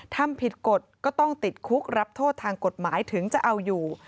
ทำผิดกฎก็ต้องติดคุกรับโทษทางกฎหมายถึงจะเอาอยู่